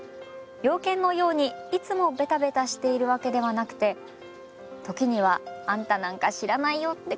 洋犬のようにいつもベタベタしているわけではなくて時にはあんたなんか知らないよ！って